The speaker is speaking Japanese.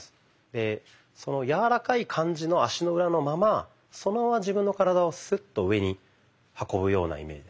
でその柔らかい感じの足の裏のままそのまま自分の体をスッと上に運ぶようなイメージです。